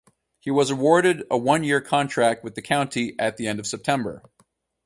He was awarded a one-year contract with the county at the end of September.